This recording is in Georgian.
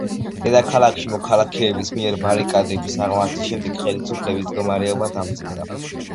დედაქალაქში მოქალაქეების მიერ ბარიკადების აღმართვის შემდეგ ხელისუფლების მდგომარეობა დამძიმდა.